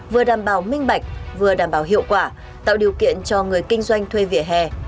vừa đảm bảo minh bạch vừa đảm bảo hiệu quả tạo điều kiện cho người kinh doanh thuê vỉa hè